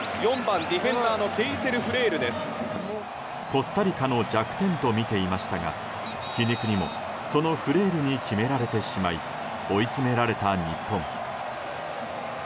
コスタリカの弱点とみていましたが皮肉にもそのフレールに決められてしまい追い詰められた日本。